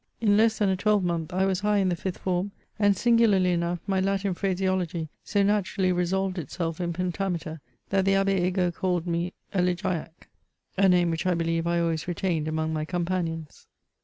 In less than a tweWe month, I was high in the fifth form, and singularly enough, my Latin phraseology so naturally resolved itself in pentametre, that the Abb^ Egault called me " Elegiac," a name which I. beUeve I always retained among my companions.